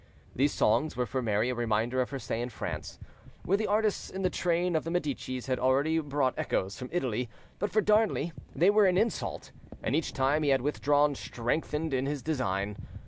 These songs were for Mary a reminder of her stay in France, where the artists in the train of the Medicis had already brought echoes from Italy; but for Darnley they were an insult, and each time he had withdrawn strengthened in his design.